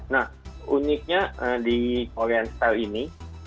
nah uniknya di korean style ini